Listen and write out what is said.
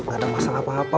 gak ada masalah apa apa